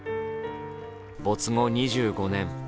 没後２５年。